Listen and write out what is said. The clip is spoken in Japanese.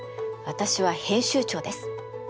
私は編集長です。